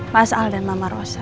mas al dan mama rosa